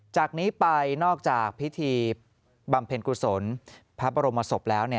จากนี้ไปนอกจากพิธีบำเพ็ญกุศลพระบรมศพแล้ว